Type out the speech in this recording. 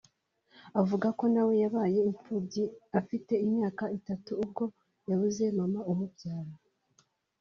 avuga ko nawe yabaye imfubyi afite imyaka itatu ubwo yabuze mama umubyara